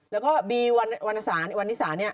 แล้วก็บีวัณศาวัณศาเนี่ย